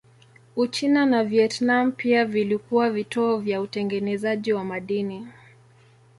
Uchina na Vietnam pia vilikuwa vituo vya utengenezaji wa madini.